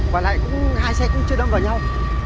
và lại hai xe cũng chưa đâm vào nhau